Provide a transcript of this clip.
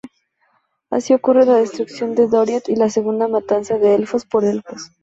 Así ocurre la destrucción de Doriath y la Segunda Matanza de Elfos por Elfos.